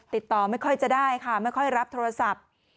ติดต่อไม่ค่อยจะได้ค่ะไม่ค่อยรับโทรศัพท์